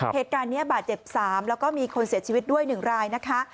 เหตุการณ์นี้บาดเจ็บ๓แล้วก็มีคนเสียชีวิตด้วย๑รายนะคะ